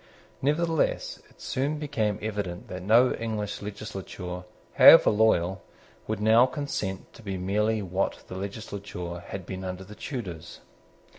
Nevertheless it soon became evident that no English legislature, however loyal, would now consent to be merely what the legislature had been under the Tudors.